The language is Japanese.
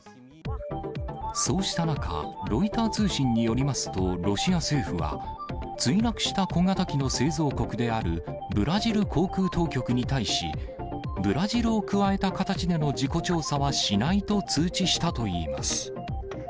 そうした中、ロイター通信によりますと、ロシア政府は、墜落した小型機の製造国であるブラジル航空当局に対し、ブラジルを加えた形での事故調査はしないと通知したといいます。